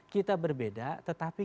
kita berbeda tetapi